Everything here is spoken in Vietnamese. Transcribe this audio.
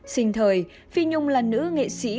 sinh thời phi nhung là nữ nghệ sĩ